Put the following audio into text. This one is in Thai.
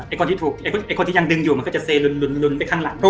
คนที่ถูกไอ้คนที่ยังดึงอยู่มันก็จะเซลุนไปข้างหลัง